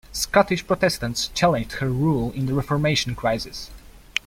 Scottish Protestants challenged her rule in the Reformation Crisis.